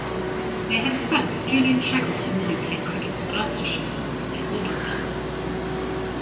They had a son, Julian Shackleton, who played cricket for Gloucestershire, and a daughter.